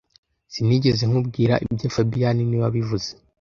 Sinigeze nkubwira ibyo fabien niwe wabivuze